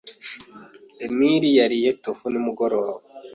Emily yariye tofu nimugoroba.